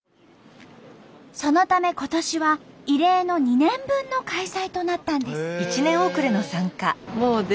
そのため今年は異例の２年分の開催となったんです。